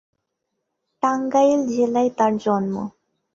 টাঙ্গাইল জেলায় তাঁর জন্ম।